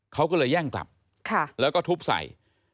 เขาก็เลยแย่งกลับแล้วก็ทุบใส่